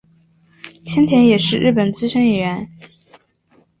千田是也是日本资深演员。